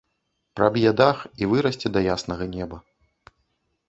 Праб'е дах і вырасце да яснага неба.